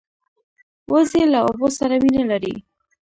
وزې له اوبو سره مینه لري